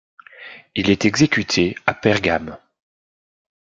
Il est exécuté à Pergame.